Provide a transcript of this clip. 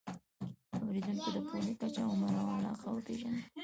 د اورېدونکو د پوهې کچه، عمر او علاقه وپېژنئ.